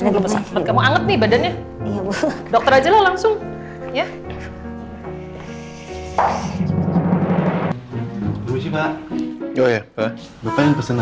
kamu anget nih badannya